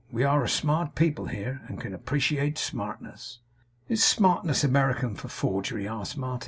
'We are a smart people here, and can appreciate smartness.' 'Is smartness American for forgery?' asked Martin. 'Well!